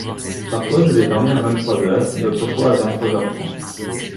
Parfois je vais dormir à vingt-trois heures, d’autres fois à vingt-trois heures trente.